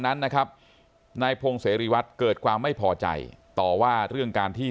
นั้นนะครับนายพงศิริวัตรเกิดความไม่พอใจต่อว่าเรื่องการที่